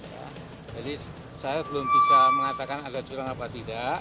jadi saya belum bisa mengatakan ada curang apa tidak